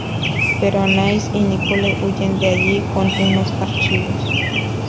Pero Anais y Nicole huyen de allí con unos archivos.